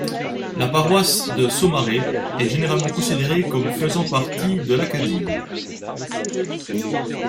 La paroisse de Saumarez est généralement considérée comme faisant partie de l'Acadie.